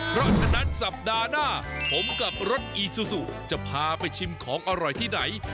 เพราะฉะนั้นสัปดาห์หน้าผมกับรถอีซูซูจะพาไปชิมของอร่อยที่ไหน